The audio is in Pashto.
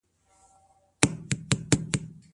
راډيو پخوا ډېره اورېدل کېده.